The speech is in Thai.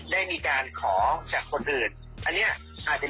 แล้วความผลของเงินมันเข้ามาเยอะจัด